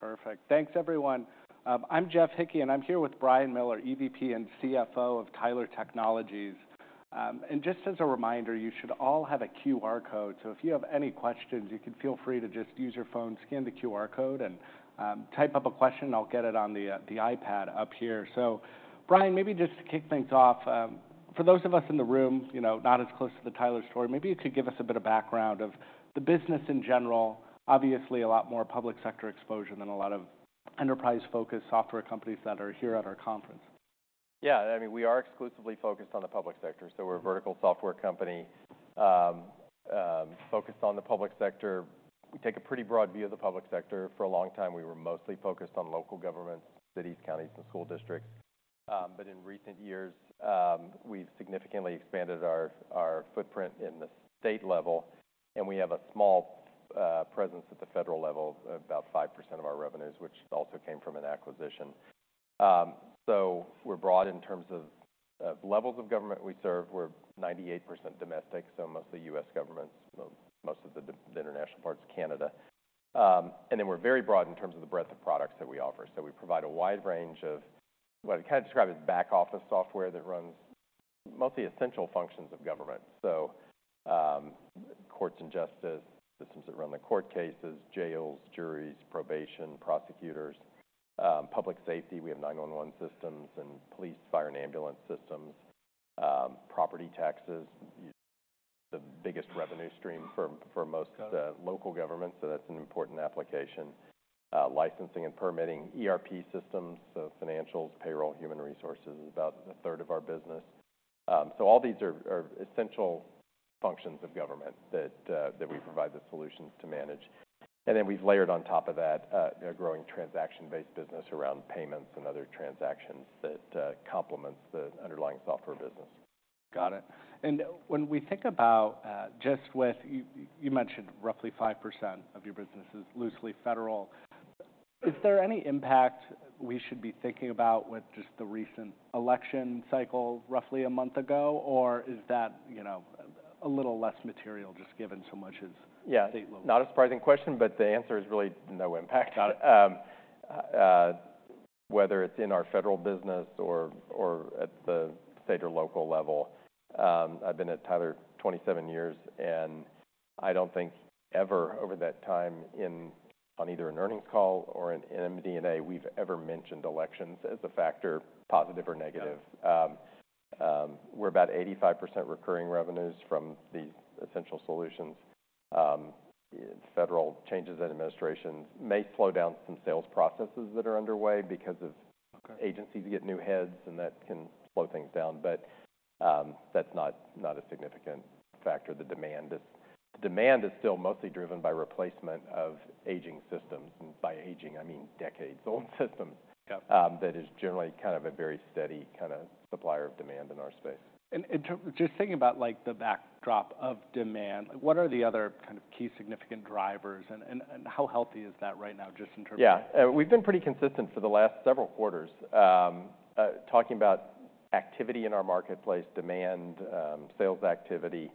Perfect. Thanks, everyone. I'm Jeff Hickey, and I'm here with Brian Miller, EVP and CFO of Tyler Technologies. And just as a reminder, you should all have a QR code. So if you have any questions, you can feel free to just use your phone, scan the QR code, and type up a question. I'll get it on the iPad up here. So, Brian, maybe just to kick things off, for those of us in the room, not as close to the Tyler story, maybe you could give us a bit of background of the business in general, obviously a lot more public sector exposure than a lot of enterprise-focused software companies that are here at our conference. Yeah, I mean, we are exclusively focused on the public sector. So we're a vertical software company focused on the public sector. We take a pretty broad view of the public sector. For a long time, we were mostly focused on local governments, cities, counties, and school districts. But in recent years, we've significantly expanded our footprint in the state level. And we have a small presence at the federal level, about 5% of our revenues, which also came from an acquisition. So we're broad in terms of levels of government we serve. We're 98% domestic, so mostly U.S. governments, most of the international parts, Canada. And then we're very broad in terms of the breadth of products that we offer. So we provide a wide range of what I'd kind of describe as back-office software that runs mostly essential functions of government. So courts and justice systems that run the court cases, jails, juries, probation, prosecutors, public safety. We have 911 systems and police, fire, and ambulance systems, property taxes, the biggest revenue stream for most local governments. So that's an important application. Licensing and permitting, ERP systems, so financials, payroll, human resources is about a third of our business. So all these are essential functions of government that we provide the solutions to manage. And then we've layered on top of that a growing transaction-based business around payments and other transactions that complements the underlying software business. Got it. And when we think about just with you mentioned roughly 5% of your business is loosely federal. Is there any impact we should be thinking about with just the recent election cycle roughly a month ago? Or is that a little less material just given so much as state level? Yeah, not a surprising question, but the answer is really no impact. Whether it's in our federal business or at the state or local level, I've been at Tyler 27 years. I don't think ever over that time on either an earnings call or an MD&A, we've ever mentioned elections as a factor, positive or negative. We're about 85% recurring revenues from these essential solutions. Federal changes in administrations may slow down some sales processes that are underway because of agencies getting new heads, and that can slow things down. That's not a significant factor. The demand is still mostly driven by replacement of aging systems. By aging, I mean decades-old systems. That is generally kind of a very steady kind of supplier of demand in our space. And just thinking about the backdrop of demand, what are the other kind of key significant drivers? And how healthy is that right now, just in terms of? Yeah, we've been pretty consistent for the last several quarters talking about activity in our marketplace, demand, sales activity,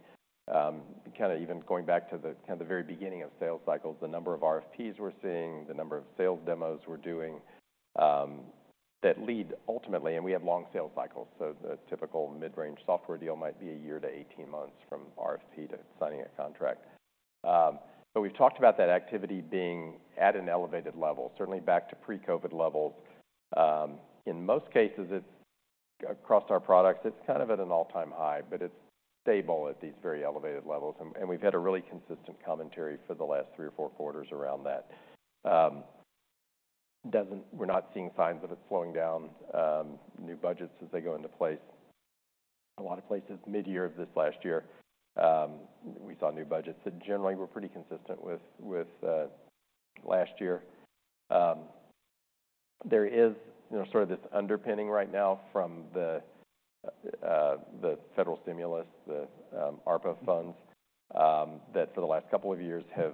kind of even going back to the very beginning of sales cycles, the number of RFPs we're seeing, the number of sales demos we're doing that lead ultimately, and we have long sales cycles. So the typical mid-range software deal might be a year to 18 months from RFP to signing a contract, but we've talked about that activity being at an elevated level, certainly back to pre-COVID levels. In most cases, across our products, it's kind of at an all-time high, but it's stable at these very elevated levels, and we've had a really consistent commentary for the last three or four quarters around that. We're not seeing signs of it slowing down. New budgets as they go into place. A lot of places mid-year of this last year, we saw new budgets that generally were pretty consistent with last year. There is sort of this underpinning right now from the federal stimulus, the ARPA funds, that for the last couple of years have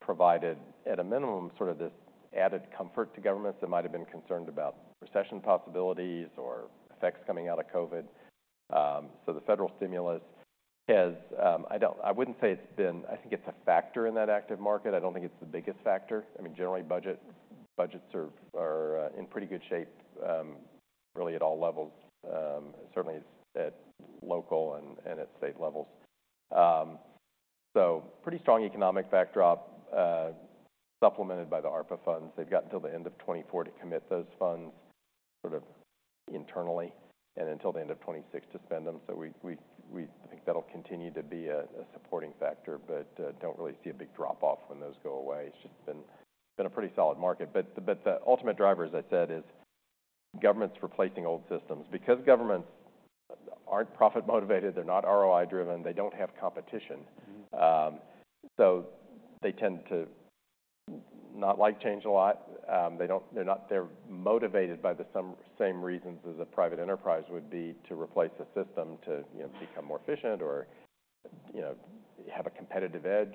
provided, at a minimum, sort of this added comfort to governments that might have been concerned about recession possibilities or effects coming out of COVID. So the federal stimulus has. I wouldn't say it's been. I think it's a factor in that active market. I don't think it's the biggest factor. I mean, generally, budgets are in pretty good shape, really, at all levels, certainly at local and at state levels. Pretty strong economic backdrop, supplemented by the ARPA funds. They've got until the end of 2024 to commit those funds sort of internally and until the end of 2026 to spend them. So we think that'll continue to be a supporting factor, but don't really see a big drop-off when those go away. It's just been a pretty solid market. But the ultimate driver, as I said, is governments replacing old systems. Because governments aren't profit-motivated, they're not ROI-driven, they don't have competition. So they tend to not like change a lot. They're motivated by the same reasons as a private enterprise would be to replace a system, to become more efficient or have a competitive edge.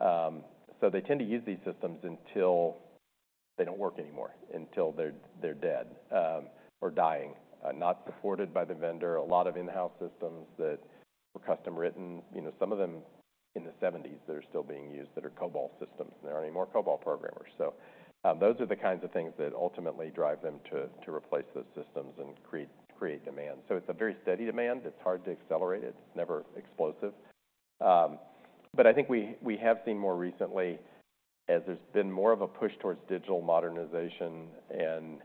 So they tend to use these systems until they don't work anymore, until they're dead or dying, not supported by the vendor. A lot of in-house systems that were custom-written, some of them in the 1970s, they're still being used that are COBOL systems. And there aren't any more COBOL programmers. So those are the kinds of things that ultimately drive them to replace those systems and create demand. So it's a very steady demand. It's hard to accelerate. It's never explosive. But I think we have seen more recently, as there's been more of a push towards digital modernization, and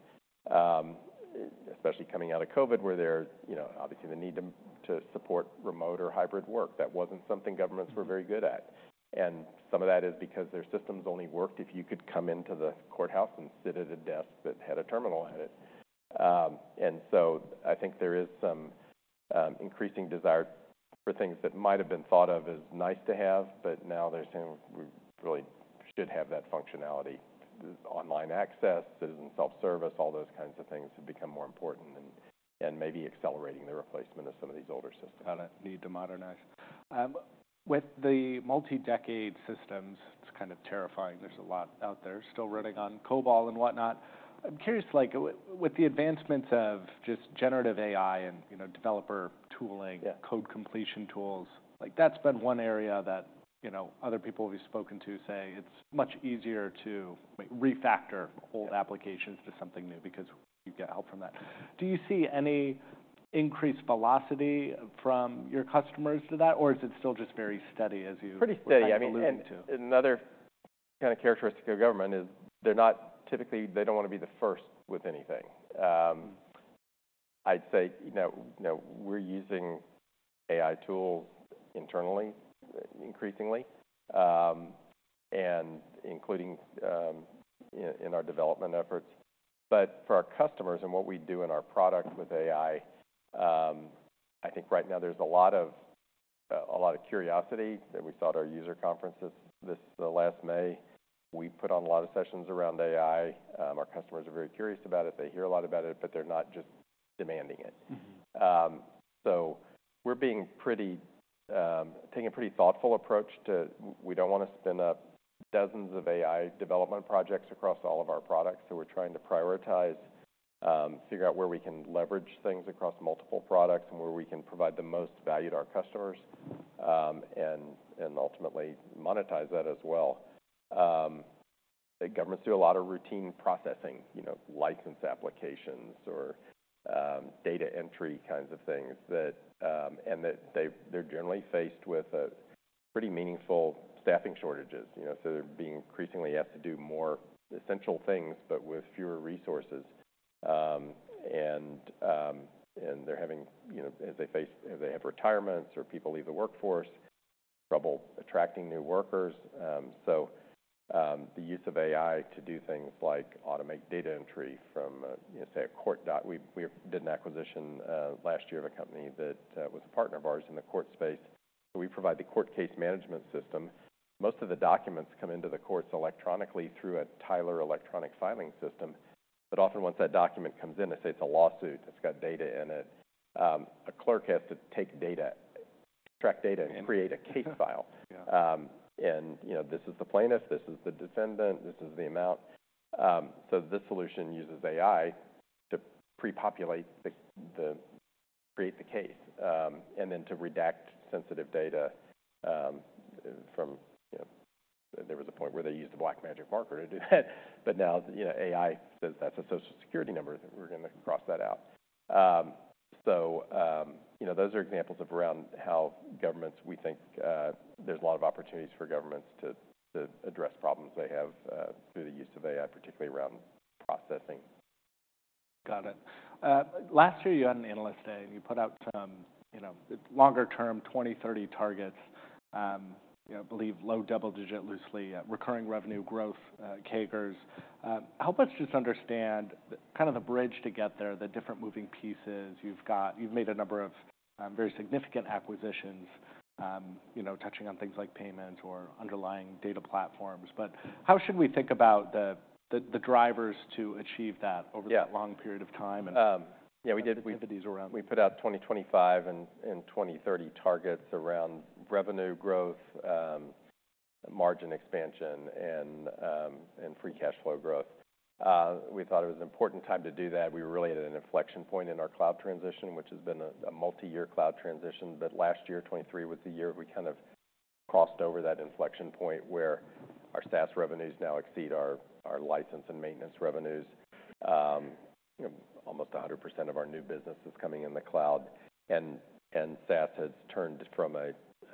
especially coming out of COVID, where there's obviously the need to support remote or hybrid work. That wasn't something governments were very good at. And some of that is because their systems only worked if you could come into the courthouse and sit at a desk that had a terminal at it. And so I think there is some increasing desire for things that might have been thought of as nice to have, but now they're saying, "We really should have that functionality." Online access, citizen self-service, all those kinds of things have become more important and maybe accelerating the replacement of some of these older systems. Got it. Need to modernize. With the multi-decade systems, it's kind of terrifying. There's a lot out there still running on COBOL and whatnot. I'm curious, with the advancements of just generative AI and developer tooling, code completion tools, that's been one area that other people we've spoken to say it's much easier to refactor old applications to something new because you get help from that. Do you see any increased velocity from your customers to that? Or is it still just very steady as you evolve into? Pretty steady. I mean, another kind of characteristic of government is they're not typically, they don't want to be the first with anything. I'd say we're using AI tools internally increasingly, including in our development efforts. But for our customers and what we do in our product with AI, I think right now there's a lot of curiosity. We saw at our user conferences this last May. We put on a lot of sessions around AI. Our customers are very curious about it. They hear a lot about it, but they're not just demanding it. So we're taking a pretty thoughtful approach to, we don't want to spin up dozens of AI development projects across all of our products. So we're trying to prioritize, figure out where we can leverage things across multiple products and where we can provide the most value to our customers and ultimately monetize that as well. Governments do a lot of routine processing, license applications or data entry kinds of things, and they're generally faced with pretty meaningful staffing shortages, so they're being increasingly asked to do more essential things but with fewer resources, and they're having, as they have retirements or people leave the workforce, trouble attracting new workers, so the use of AI to do things like automate data entry from, say, a court, we did an acquisition last year of a company that was a partner of ours in the court space. We provide the Court Case Management System. Most of the documents come into the courts electronically through a Tyler Electronic Filing System. But often, once that document comes in, they say it's a lawsuit. It's got data in it. A clerk has to extract data and create a case file, and this is the plaintiff. This is the defendant. This is the amount. So this solution uses AI to pre-populate, create the case, and then to redact sensitive data from. There was a point where they used a black magic marker to do that. But now AI says that's a Social Security number. We're going to cross that out. So those are examples of around how governments. We think there's a lot of opportunities for governments to address problems they have through the use of AI, particularly around processing. Got it. Last year, you had an analyst day, and you put out longer-term 2030 targets, I believe low double-digit loosely, recurring revenue growth, CAGRs. Help us just understand kind of the bridge to get there, the different moving pieces. You've made a number of very significant acquisitions, touching on things like payments or underlying data platforms. But how should we think about the drivers to achieve that over that long period of time? Yeah, we did. We put out 2025 and 2030 targets around revenue growth, margin expansion, and free cash flow growth. We thought it was an important time to do that. We were really at an inflection point in our cloud transition, which has been a multi-year cloud transition. But last year, 2023, was the year we kind of crossed over that inflection point where our SaaS revenues now exceed our license and maintenance revenues. Almost 100% of our new business is coming in the cloud. And SaaS has turned from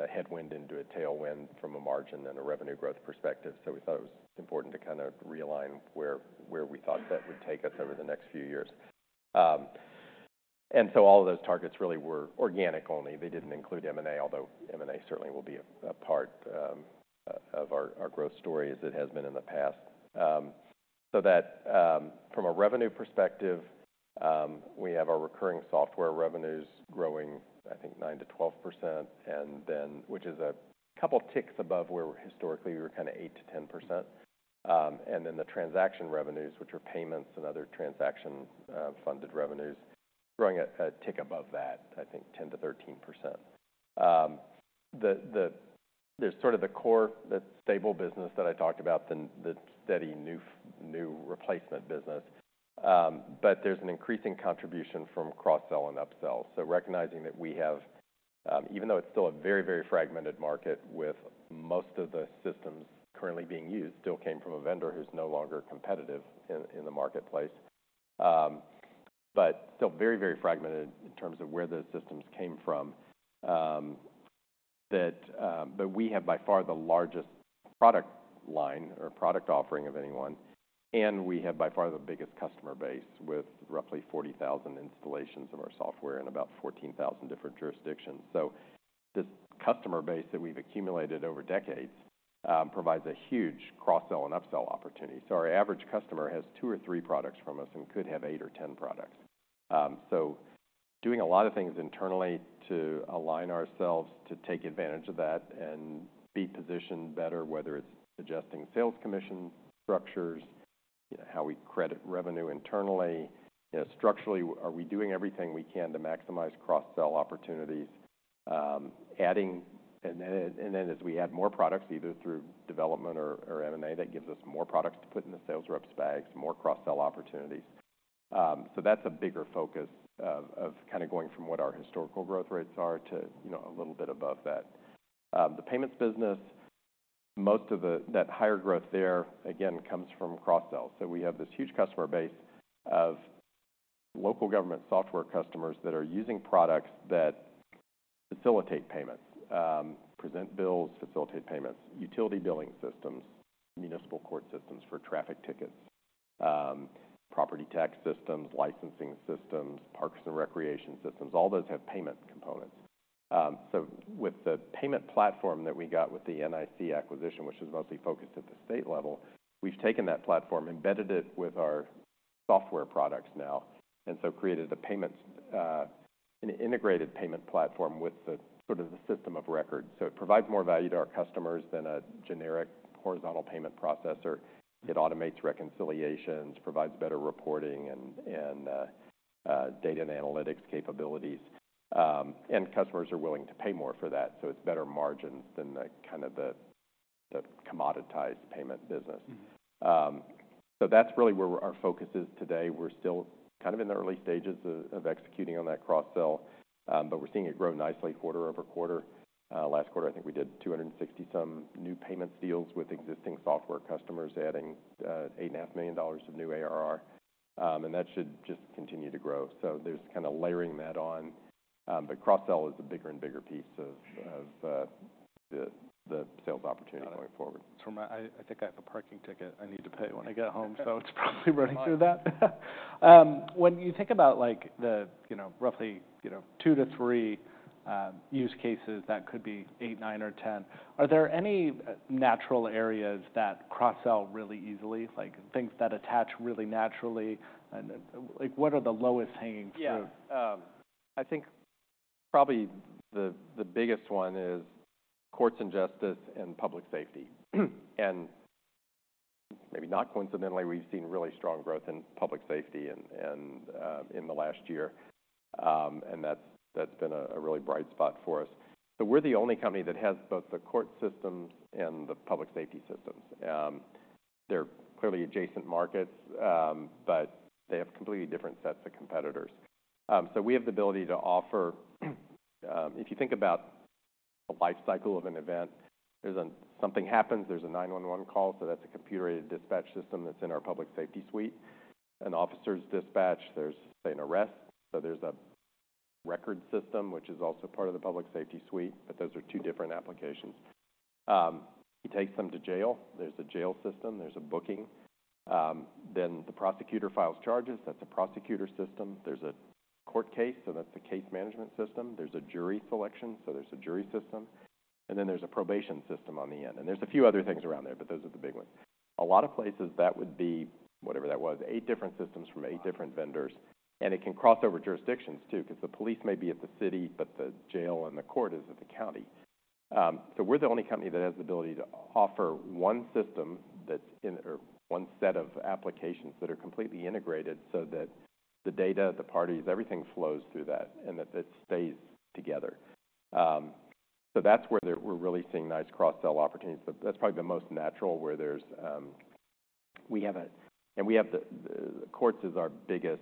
a headwind into a tailwind from a margin and a revenue growth perspective. So we thought it was important to kind of realign where we thought that would take us over the next few years. And so all of those targets really were organic only. They didn't include M&A, although M&A certainly will be a part of our growth story as it has been in the past. So from a revenue perspective, we have our recurring software revenues growing, I think, 9-12%, which is a couple of ticks above where historically we were kind of 8-10%. And then the transaction revenues, which are payments and other transaction-funded revenues, growing a tick above that, I think, 10-13%. There's sort of the core stable business that I talked about, the steady new replacement business. But there's an increasing contribution from cross-sell and upsell. So, recognizing that we have, even though it's still a very, very fragmented market with most of the systems currently being used still came from a vendor who's no longer competitive in the marketplace, but still very, very fragmented in terms of where those systems came from. But we have by far the largest product line or product offering of anyone. And we have by far the biggest customer base with roughly 40,000 installations of our software in about 14,000 different jurisdictions. So this customer base that we've accumulated over decades provides a huge cross-sell and upsell opportunity. So our average customer has two or three products from us and could have eight or 10 products. So, doing a lot of things internally to align ourselves to take advantage of that and be positioned better, whether it's adjusting sales commission structures, how we credit revenue internally, structurally, are we doing everything we can to maximize cross-sell opportunities? And then as we add more products, either through development or M&A, that gives us more products to put in the sales reps' bags, more cross-sell opportunities. So that's a bigger focus of kind of going from what our historical growth rates are to a little bit above that. The payments business, most of that higher growth there, again, comes from cross-sell. So we have this huge customer base of local government software customers that are using products that facilitate payments, present bills, facilitate payments, utility billing systems, municipal court systems for traffic tickets, property tax systems, licensing systems, parks and recreation systems. All those have payment components. So with the payment platform that we got with the NIC acquisition, which is mostly focused at the state level, we've taken that platform, embedded it with our software products now, and so created an integrated payment platform with sort of the system of record. So it provides more value to our customers than a generic horizontal payment processor. It automates reconciliations, provides better reporting and data and analytics capabilities. And customers are willing to pay more for that. So it's better margins than kind of the commoditized payment business. So that's really where our focus is today. We're still kind of in the early stages of executing on that cross-sell, but we're seeing it grow nicely quarter over quarter. Last quarter, I think we did 260-some new payments deals with existing software customers, adding $8.5 million of new ARR. And that should just continue to grow. There's kind of layering that on, but cross-sell is a bigger and bigger piece of the sales opportunity going forward. I think I have a parking ticket I need to pay when I get home, so it's probably running through that. When you think about roughly two to three use cases, that could be eight, nine, or 10, are there any natural areas that cross-sell really easily, things that attach really naturally? What are the low-hanging fruit? Yeah. I think probably the biggest one is courts and justice and public safety, and maybe not coincidentally, we've seen really strong growth in public safety in the last year. And that's been a really bright spot for us, so we're the only company that has both the court systems and the public safety systems. They're clearly adjacent markets, but they have completely different sets of competitors. So we have the ability to offer, if you think about the lifecycle of an event, something happens, there's a 911 call. So that's a computer-aided dispatch system that's in our Public Safety Suite. An officer's dispatched, there's, say, an arrest. So there's a record system, which is also part of the Public Safety Suite, but those are two different applications. He takes them to jail. There's a jail system. There's a booking. Then the prosecutor files charges. That's a prosecutor system. There's a court case. So that's the case management system. There's a jury selection. So there's a jury system. And then there's a probation system on the end. And there's a few other things around there, but those are the big ones. A lot of places, that would be whatever that was, eight different systems from eight different vendors. And it can cross over jurisdictions too because the police may be at the city, but the jail and the court is at the county. So we're the only company that has the ability to offer one system or one set of applications that are completely integrated so that the data, the parties, everything flows through that and that it stays together. So that's where we're really seeing nice cross-sell opportunities. That's probably the most natural where there's a. And we have the courts as our biggest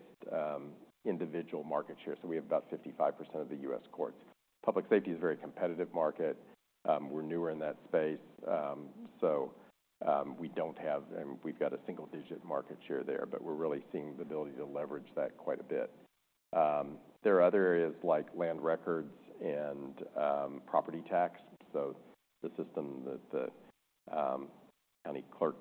individual market share. So we have about 55% of the U.S. courts. Public safety is a very competitive market. We're newer in that space, so we don't have. We've got a single-digit market share there, but we're really seeing the ability to leverage that quite a bit. There are other areas like land records and property tax, so the system that the county clerk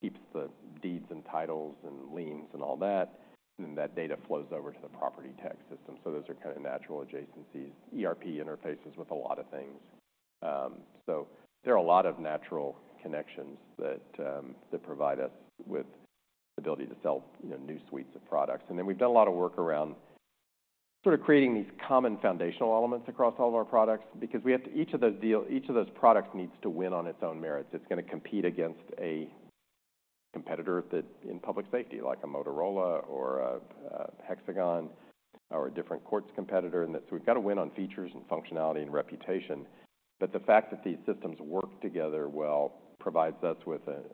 keeps the deeds and titles and liens and all that, and then that data flows over to the property tax system, so those are kind of natural adjacencies. ERP interfaces with a lot of things, so there are a lot of natural connections that provide us with the ability to sell new suites of products, and then we've done a lot of work around sort of creating these common foundational elements across all of our products because each of those products needs to win on its own merits. It's going to compete against a competitor in public safety like a Motorola or a Hexagon or a different courts competitor, and so we've got to win on features and functionality and reputation, but the fact that these systems work together well provides us with an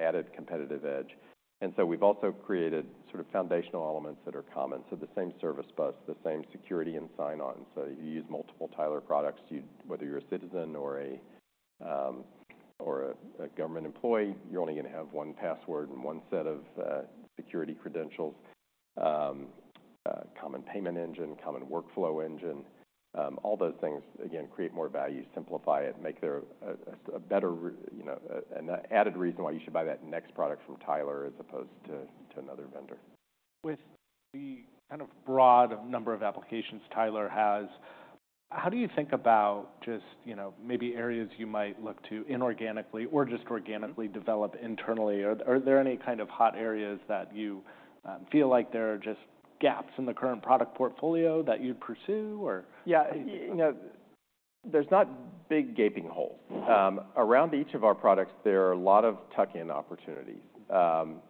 added competitive edge, and so we've also created sort of foundational elements that are common, so the same service bus, the same security and sign-on, so if you use multiple Tyler products, whether you're a citizen or a government employee, you're only going to have one password and one set of security credentials, common payment engine, common workflow engine. All those things, again, create more value, simplify it, make it a better, an added reason why you should buy that next product from Tyler as opposed to another vendor. With the kind of broad number of applications Tyler has, how do you think about just maybe areas you might look to inorganically or just organically develop internally? Are there any kind of hot areas that you feel like there are just gaps in the current product portfolio that you'd pursue or? Yeah. There's not big gaping holes. Around each of our products, there are a lot of tuck-in opportunities,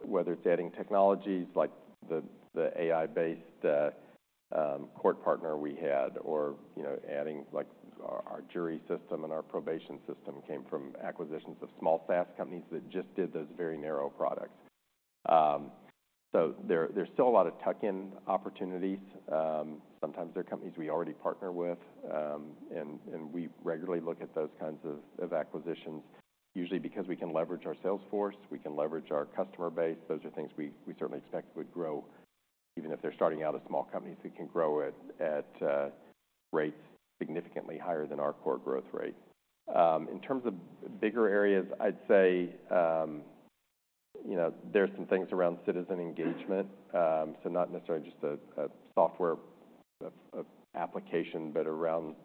whether it's adding technologies like the AI-based court partner we had or adding our jury system and our probation system came from acquisitions of small SaaS companies that just did those very narrow products. So there's still a lot of tuck-in opportunities. Sometimes they're companies we already partner with. And we regularly look at those kinds of acquisitions, usually because we can leverage our sales force. We can leverage our customer base. Those are things we certainly expect would grow, even if they're starting out as small companies, they can grow at rates significantly higher than our core growth rate. In terms of bigger areas, I'd say there's some things around citizen engagement. So not necessarily just a software application, but around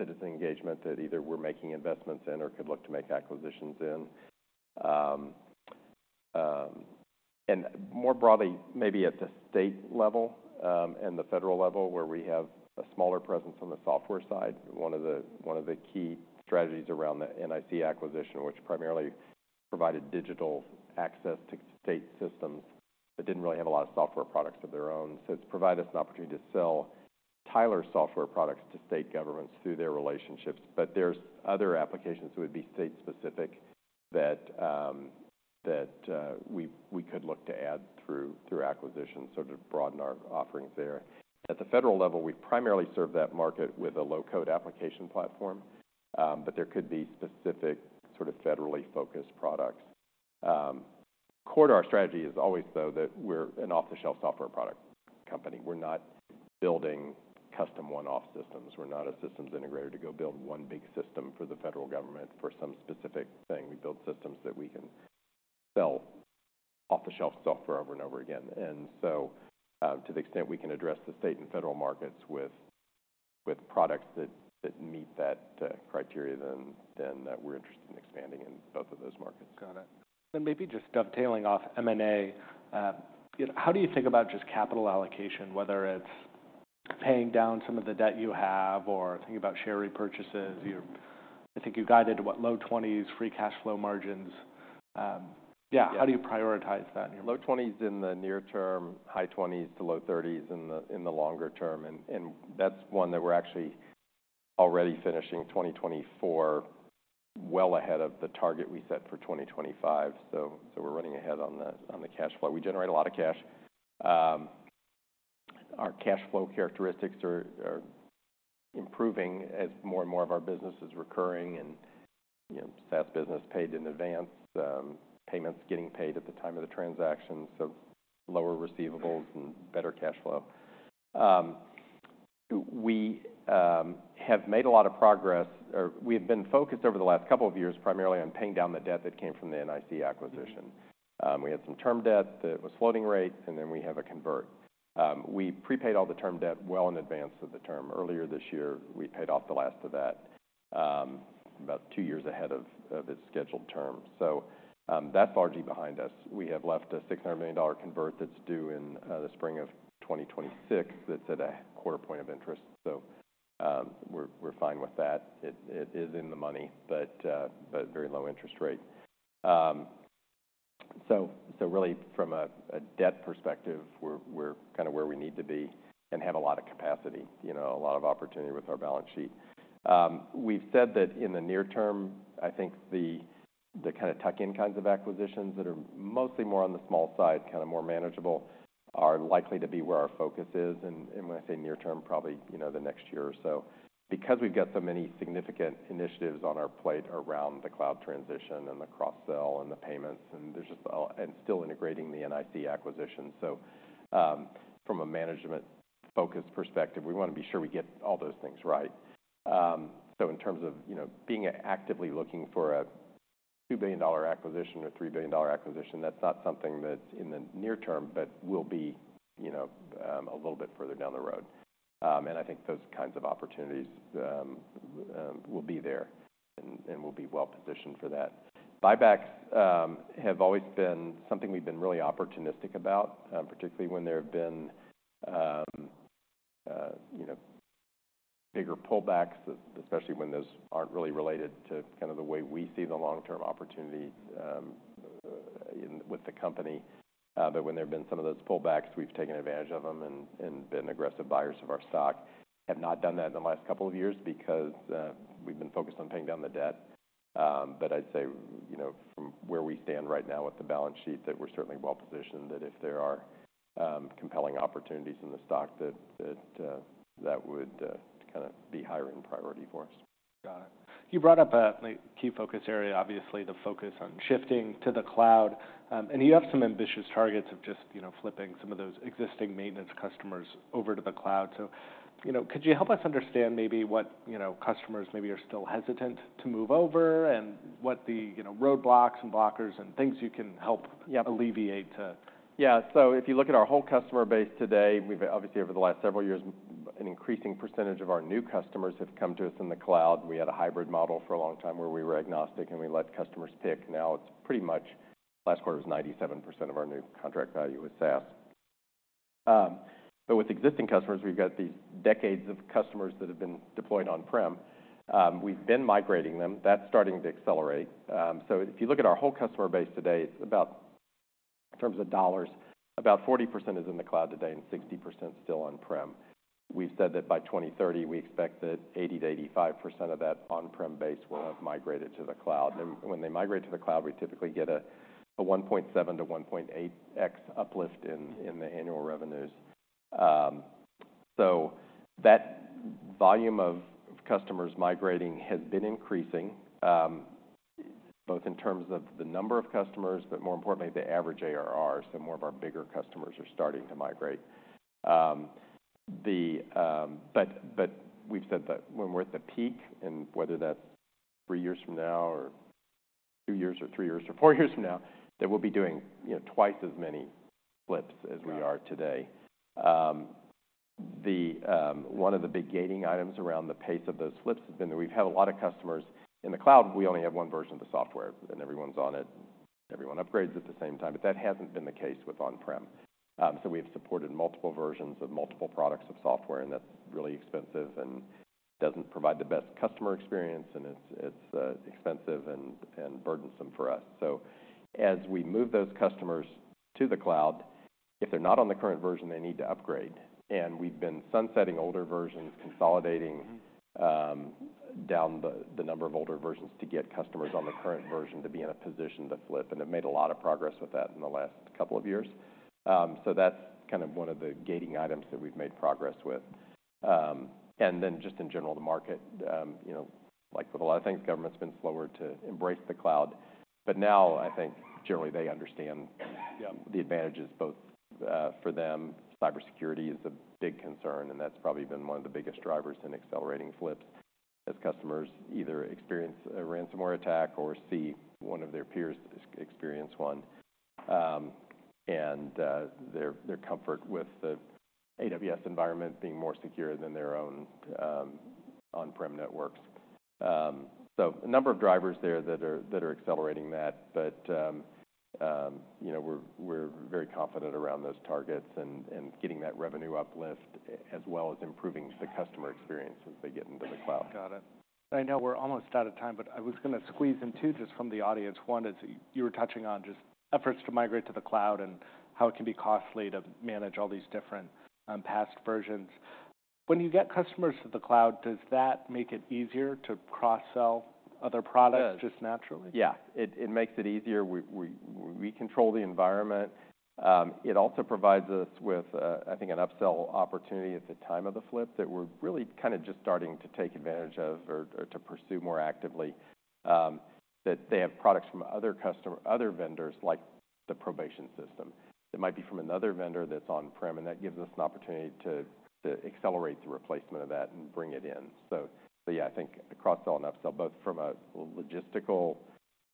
citizen engagement that either we're making investments in or could look to make acquisitions in. And more broadly, maybe at the state level and the federal level, where we have a smaller presence on the software side. One of the key strategies around the NIC acquisition, which primarily provided digital access to state systems, but didn't really have a lot of software products of their own. So it's provided us an opportunity to sell Tyler software products to state governments through their relationships. But there's other applications that would be state-specific that we could look to add through acquisitions sort of to broaden our offerings there. At the federal level, we primarily serve that market with a low-code application platform, but there could be specific sort of federally focused products. Core to our strategy is always, though, that we're an off-the-shelf software product company. We're not building custom one-off systems. We're not a systems integrator to go build one big system for the federal government for some specific thing. We build systems that we can sell off-the-shelf software over and over again, and so to the extent we can address the state and federal markets with products that meet that criteria, then we're interested in expanding in both of those markets. Got it. And maybe just dovetailing off M&A, how do you think about just capital allocation, whether it's paying down some of the debt you have or thinking about share repurchases? I think you guided to what, low 20s, free cash flow margins. Yeah. How do you prioritize that in your? Low 20s% in the near term, high 20s% to low 30s % in the longer term. And that's one that we're actually already finishing 2024 well ahead of the target we set for 2025. So we're running ahead on the cash flow. We generate a lot of cash. Our cash flow characteristics are improving as more and more of our business is recurring and SaaS business paid in advance, payments getting paid at the time of the transaction, so lower receivables and better cash flow. We have made a lot of progress. We have been focused over the last couple of years primarily on paying down the debt that came from the NIC acquisition. We had some term debt that was floating rate, and then we have a convert. We prepaid all the term debt well in advance of the term. Earlier this year, we paid off the last of that about two years ahead of its scheduled term. So that's largely behind us. We have left a $600 million convert that's due in the spring of 2026 that's at a 0.25% interest. So we're fine with that. It is in the money, but very low interest rate. So really, from a debt perspective, we're kind of where we need to be and have a lot of capacity, a lot of opportunity with our balance sheet. We've said that in the near term, I think the kind of tuck-in kinds of acquisitions that are mostly more on the small side, kind of more manageable, are likely to be where our focus is. And when I say near-term, probably the next year or so, because we've got so many significant initiatives on our plate around the cloud transition and the cross-sell and the payments and still integrating the NIC acquisition. So from a management-focused perspective, we want to be sure we get all those things right. So in terms of being actively looking for a $2 billion acquisition or $3 billion acquisition, that's not something that's in the near-term, but will be a little bit further down the road. And I think those kinds of opportunities will be there and will be well-positioned for that. Buybacks have always been something we've been really opportunistic about, particularly when there have been bigger pullbacks, especially when those aren't really related to kind of the way we see the long-term opportunity with the company. But when there have been some of those pullbacks, we've taken advantage of them and been aggressive buyers of our stock. Have not done that in the last couple of years because we've been focused on paying down the debt. But I'd say from where we stand right now with the balance sheet, that we're certainly well-positioned that if there are compelling opportunities in the stock, that that would kind of be higher in priority for us. Got it. You brought up a key focus area, obviously the focus on shifting to the cloud, and you have some ambitious targets of just flipping some of those existing maintenance customers over to the cloud. So could you help us understand maybe what customers are still hesitant to move over and what the roadblocks and blockers and things you can help alleviate, too? Yeah. So if you look at our whole customer base today, obviously over the last several years, an increasing percentage of our new customers have come to us in the cloud. We had a hybrid model for a long time where we were agnostic and we let customers pick. Now it's pretty much last quarter was 97% of our new contract value was SaaS. But with existing customers, we've got these decades of customers that have been deployed on-prem. We've been migrating them. That's starting to accelerate. So if you look at our whole customer base today, in terms of dollars, about 40% is in the cloud today and 60% still on-prem. We've said that by 2030, we expect that 80%-85% of that on-prem base will have migrated to the cloud. When they migrate to the cloud, we typically get a 1.7-1.8x uplift in the annual revenues. That volume of customers migrating has been increasing, both in terms of the number of customers, but more importantly, the average ARR. More of our bigger customers are starting to migrate. We've said that when we're at the peak and whether that's three years from now or two years or three years or four years from now, that we'll be doing twice as many flips as we are today. One of the big gating items around the pace of those flips has been that we've had a lot of customers in the cloud. We only have one version of the software and everyone's on it. Everyone upgrades at the same time, but that hasn't been the case with on-prem. So we've supported multiple versions of multiple products of software, and that's really expensive and doesn't provide the best customer experience, and it's expensive and burdensome for us. So as we move those customers to the cloud, if they're not on the current version, they need to upgrade. And we've been sunsetting older versions, consolidating down the number of older versions to get customers on the current version to be in a position to flip. And have made a lot of progress with that in the last couple of years. So that's kind of one of the gating items that we've made progress with. And then just in general, the market, like with a lot of things, government's been slower to embrace the cloud. But now I think generally they understand the advantages both for them. Cybersecurity is a big concern, and that's probably been one of the biggest drivers in accelerating flips as customers either experience a ransomware attack or see one of their peers experience one, and their comfort with the AWS environment being more secure than their own on-prem networks, so a number of drivers there that are accelerating that, but we're very confident around those targets and getting that revenue uplift as well as improving the customer experience as they get into the cloud. Got it. I know we're almost out of time, but I was going to squeeze in two just from the audience. One is you were touching on just efforts to migrate to the cloud and how it can be costly to manage all these different past versions. When you get customers to the cloud, does that make it easier to cross-sell other products just naturally? Yeah. It makes it easier. We control the environment. It also provides us with, I think, an upsell opportunity at the time of the flip that we're really kind of just starting to take advantage of or to pursue more actively. That they have products from other vendors like the probation system that might be from another vendor that's on-prem, and that gives us an opportunity to accelerate the replacement of that and bring it in. So yeah, I think cross-sell and upsell, both from a logistical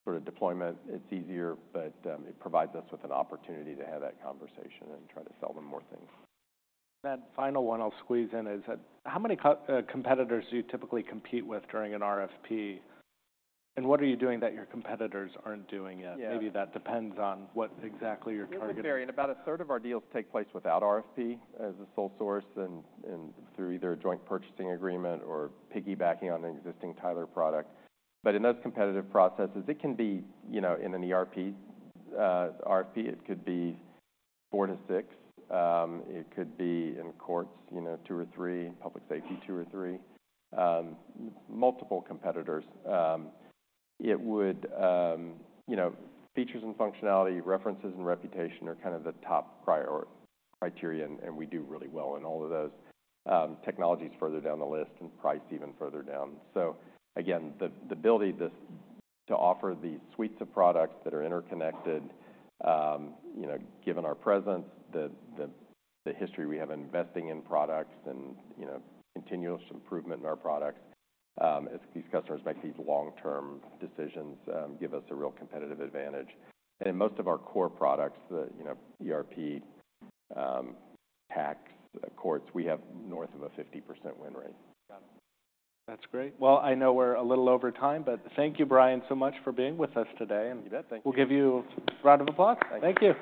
sort of deployment, it's easier, but it provides us with an opportunity to have that conversation and try to sell them more things. That final one I'll squeeze in is how many competitors do you typically compete with during an RFP? And what are you doing that your competitors aren't doing yet? Maybe that depends on what exactly you're targeting. It's very varied. About a third of our deals take place without RFP as a sole source and through either a joint purchasing agreement or piggybacking on an existing Tyler product. But in those competitive processes, it can be in an ERP RFP. It could be four to six. It could be in courts, two or three, public safety, two or three, multiple competitors. With features and functionality, references and reputation are kind of the top criteria, and we do really well in all of those. Technology further down the list and price even further down. So again, the ability to offer these suites of products that are interconnected, given our presence, the history we have investing in products and continuous improvement in our products, as these customers make these long-term decisions, give us a real competitive advantage. In most of our core products, the ERP, tax courts, we have north of a 50% win rate. Got it. That's great. Well, I know we're a little over time, but thank you, Brian, so much for being with us today. You bet. Thank you. We'll give you a round of applause. Thank you.